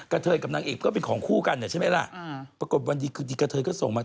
เทยกับนางเอกก็เป็นของคู่กันเนี่ยใช่ไหมล่ะปรากฏวันดีคืนดีกระเทยก็ส่งมา